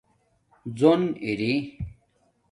زون ارائ